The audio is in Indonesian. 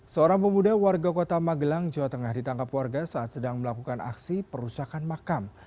seorang pemuda warga kota magelang jawa tengah ditangkap warga saat sedang melakukan aksi perusahaan makam